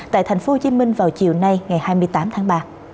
tại tp hcm vào chiều nay ngày hai mươi tám tháng ba